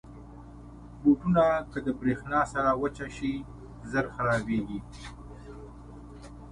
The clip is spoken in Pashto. بوټونه که د برېښنا سره وچه شي، ژر خرابېږي.